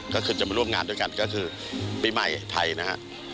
ก็คือจะมาร่วมงานด้วยกันก็คือปีใหม่ไทยนะฮะ